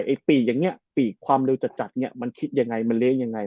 มันคิดยังไงไอ้ปีกความเร็วจัดมันคิดยังไงมันเล่นยังไง